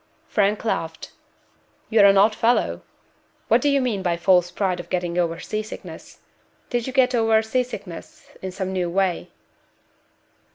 Frank laughed. "You're an odd fellow. What do you mean by false pride at getting over sea sickness? Did you get over sea sickness in some new way?"